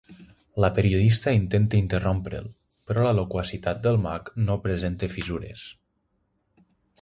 La periodista intenta interrompre'l, però la loquacitat del mag no presenta fissures.